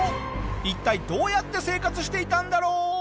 一体どうやって生活していたんだろう？